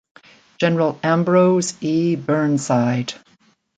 General Ambrose E. Burnside.